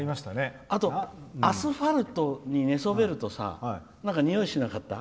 あと、アスファルトに寝そべるとさにおいしなかった？